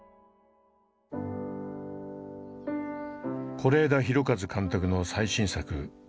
是枝裕和監督の最新作「怪物」。